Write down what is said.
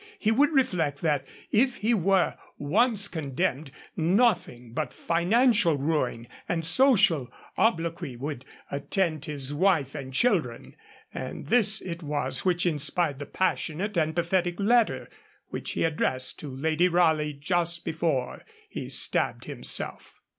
He would reflect that if he were once condemned, nothing but financial ruin and social obloquy would attend his wife and children; and this it was which inspired the passionate and pathetic letter which he addressed to Lady Raleigh just before he stabbed himself.